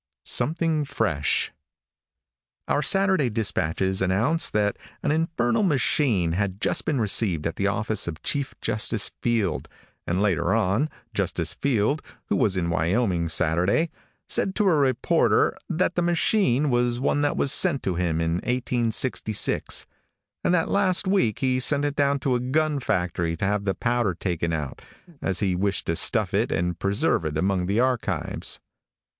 SOMETHING FRESH. |OUR Saturday dispatches announce that an infernal machine had just been received at the office of Chief Justice Field, and later on, Justice Field, who was in Wyoming Saturday, said to a reporter that the machine was one that was sent to him in 1866, and that last week he sent it down to a gun factory to have the powder taken out, as he wished to stuff it and preserve it among the archives.